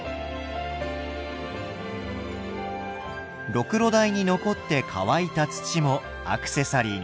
ろくろ台に残って乾いた土もアクセサリーに。